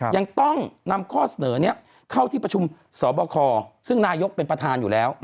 ยังต้องนำข้อเสนอนี้เข้าที่ประชุมสบคซึ่งนายกเป็นประธานอยู่แล้ว